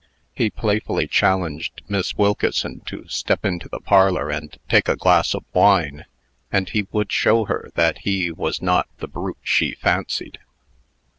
He playfully challenged Miss Wilkeson to step into the parlor and take a glass of wine, and he would show her that he was not the brute she fancied.